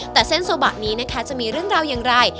แต่เส้นโซบะนี้นะคะจะมีเรื่องราวอย่างไร